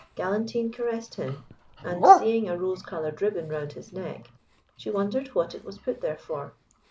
Galantine caressed him, and seeing a rose coloured ribbon round his neck, she wondered what it was put there for.